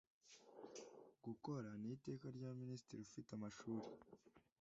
Gukora n iteka rya minisitiri ufite amashuri